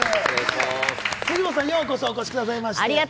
藤本さん、ようこそお越しくださいました。